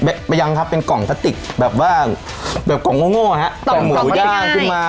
ยังครับเป็นกล่องพลาสติกแบบว่าแบบกล่องโง่ฮะกล่องหมูย่างขึ้นมา